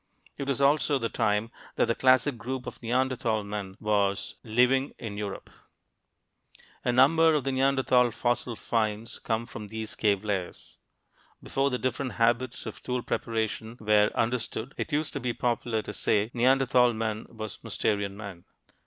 It was also the time that the classic group of Neanderthal men was living in Europe. A number of the Neanderthal fossil finds come from these cave layers. Before the different habits of tool preparation were understood it used to be popular to say Neanderthal man was "Mousterian man."